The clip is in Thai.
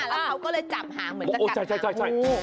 แล้วเขาก็เลยจับหางเหมือนกัน